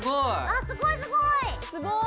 あすごいすごい！